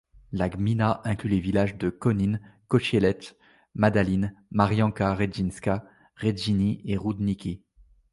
La gmina inclut les villages de Konin, Kościelec, Madalin, Marianka Rędzińska, Rędziny et Rudniki.